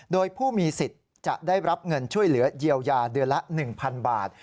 โดยผู้มีสิทธิ์จะได้รับเงินช่วยเหลือเยียวยาเดือนละ๑๐๐๐บาท